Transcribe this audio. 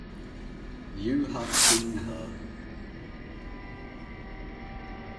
You have seen her.